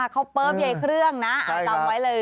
เขาเปิ๊บใยเครื่องนะจำไว้เลย